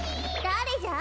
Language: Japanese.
だれじゃ？